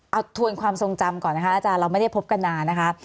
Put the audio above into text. เอาทวนความทรงจำก่อนนะคะอาจารย์เราไม่ได้พบกันนานนะคะ